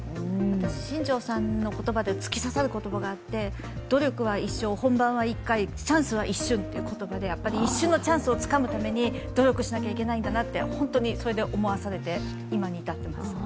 私新庄さんの言葉で突き刺さる言葉があって「努力は一生、本番は１回、チャンスは一瞬」という、やっぱり一瞬のチャンスをつかむために努力しなきゃいけないんだなと、本当にそれで思わされて、今に至ります。